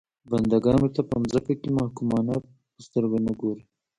بنده ګانو ته په ځمکه کې محکومانو په سترګه نه ګوري.